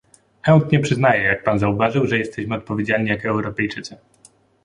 Chętnie przyznaję, jak pan zauważył, że jesteśmy odpowiedzialni jako Europejczycy